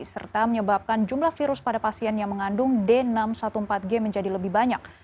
serta menyebabkan jumlah virus pada pasien yang mengandung d enam ratus empat belas g menjadi lebih banyak